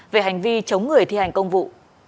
về hành vi chống người thi hành công vụ